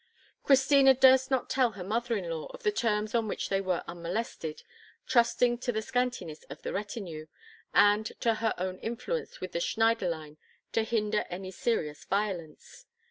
Christina durst not tell her mother in law of the terms on which they were unmolested, trusting to the scantiness of the retinue, and to her own influence with the Schneiderlein to hinder any serious violence.